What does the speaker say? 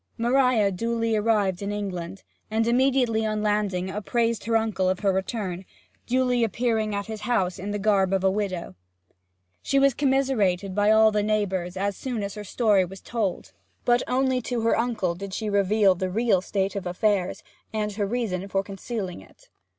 Maria duly arrived in England, and immediately on landing apprised her uncle of her return, duly appearing at his house in the garb of a widow. She was commiserated by all the neighbours as soon as her story was told; but only to her uncle did she reveal the real state of affairs, and her reason for concealing it.